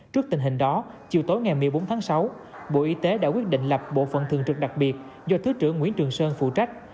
trước tình hình đó chiều tối ngày một mươi bốn tháng sáu bộ y tế đã quyết định lập bộ phận thường trực đặc biệt do thứ trưởng nguyễn trường sơn phụ trách